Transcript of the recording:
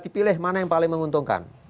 dipilih mana yang paling menguntungkan